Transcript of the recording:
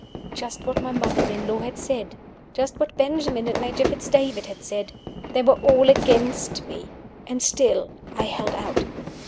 Just what my mother in law had said! just what Benjamin and Major Fitz David had said! They were all against me. And still I held out.